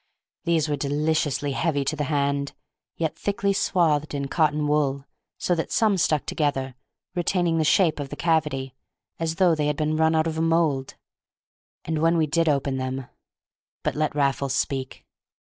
These were deliciously heavy to the hand, yet thickly swathed in cotton wool, so that some stuck together, retaining the shape of the cavity, as though they had been run out of a mould. And when we did open them—but let Raffles speak.